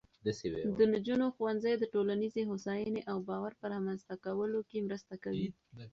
د نجونو ښوونځی د ټولنیزې هوساینې او باور په رامینځته کولو کې مرسته کوي.